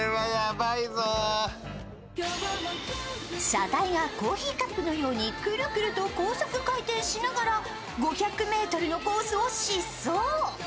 車体がコーヒーカップのようにくるくると高速回転しながら５００ｍのコースを疾走。